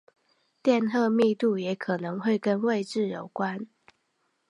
电荷密度也可能会跟位置有关。